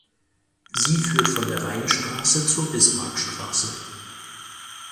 Sie führt von der Rheinstraße zur Bismarckstraße.